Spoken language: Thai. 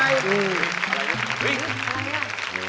อะไรวะ